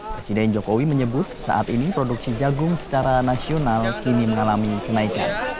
presiden jokowi menyebut saat ini produksi jagung secara nasional kini mengalami kenaikan